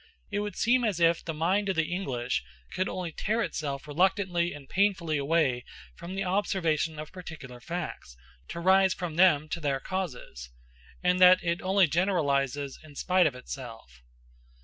It would seem as if the mind of the English could only tear itself reluctantly and painfully away from the observation of particular facts, to rise from them to their causes; and that it only generalizes in spite of itself.